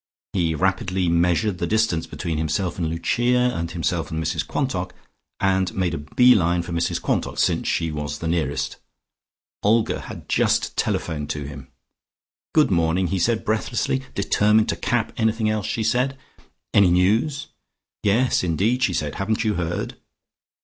He rapidly measured the distance between himself and Lucia, and himself and Mrs Quantock, and made a bee line for Mrs Quantock, since she was the nearest. Olga had just telephoned to him.... "Good morning," he said breathlessly, determined to cap anything she said. "Any news?" "Yes, indeed," she said. "Haven't you heard?"